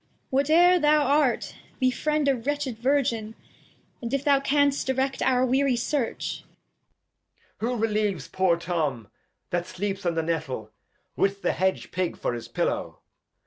What e'er thou art, befriend a wretched Virgin, And, if thou canst, direct our weary Search. Edg. Who relieves poor Tom, that sleeps on the JS"ettle, with the Hedge Pig for his PiUow.